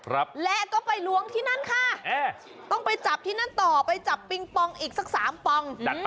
แล้วก็ไปลวงที่นั่นค่ะต้องไปจับที่นั่นต่อไปจับปิงปองอีกสัก๓ปอง